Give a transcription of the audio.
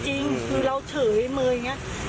คือเราเฉยเมย์อย่างนี้